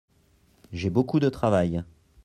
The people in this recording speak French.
J’ai beaucoup de travail.